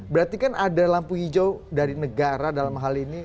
berarti kan ada lampu hijau dari negara dalam hal ini